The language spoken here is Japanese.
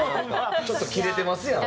ちょっとキレてますやん。